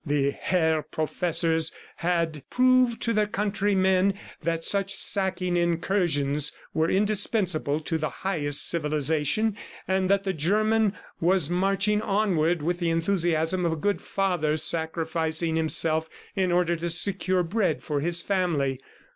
The Herr Professors had proved to their countrymen that such sacking incursions were indispensable to the highest civilization, and that the German was marching onward with the enthusiasm of a good father sacrificing himself in order to secure bread for his family.